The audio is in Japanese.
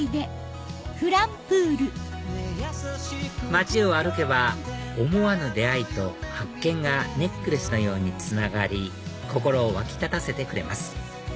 街を歩けば思わぬ出会いと発見がネックレスのようにつながり心を沸き立たせてくれます